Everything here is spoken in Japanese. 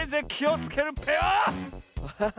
アハハ！